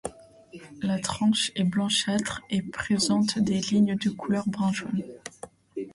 La tranche est blanchâtre et présente des lignes de couleur brun-jaune.